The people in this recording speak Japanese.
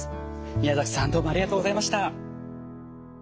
宮崎さんどうもありがとうございました。